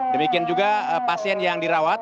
demikian juga pasien yang dirawat